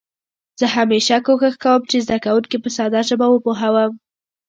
زه همېشه کوښښ کوم چې زده کونکي په ساده ژبه وپوهوم.